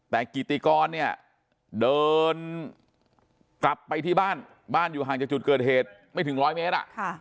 แต่กิติกรเนี่ยเดินกลับไปที่บ้านบ้านอยู่ห่างจากจุดเกิดเหตุไม่ถึงร้อยเมตร